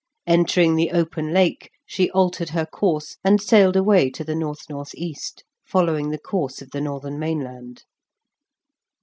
Entering the open Lake she altered her course and sailed away to the north north east, following the course of the northern mainland.